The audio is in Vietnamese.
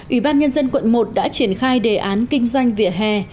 ủy ban nhân dân quận một đã triển khai đề án kinh doanh vỉa hè